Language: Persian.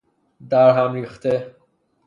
درهم ریخته